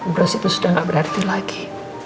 brush itu sudah gak berarti lagi